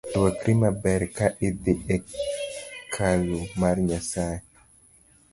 Rwakri maber ka idhii e kalu mar Nyasae